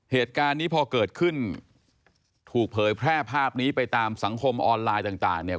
เหตุการณ์นี้พอเกิดขึ้นถูกเผยแพร่ภาพนี้ไปตามสังคมออนไลน์ต่างเนี่ย